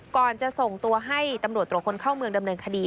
ก่อนจะส่งตัวให้ตำรวจตรวจคนเข้าเมืองดำเนินคดี